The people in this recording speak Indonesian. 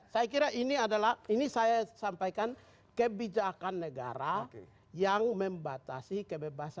saya kira ini adalah ini saya sampaikan kebijakan negara yang membatasi kebebasan